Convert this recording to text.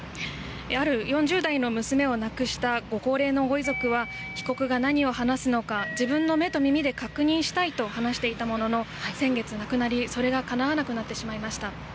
ある４０代の娘を亡くしたご高齢のご遺族は被告が何を話すのか自分の目と耳で確認したいと話していたものの先月亡くなり、それがかなわなくなってしまいました。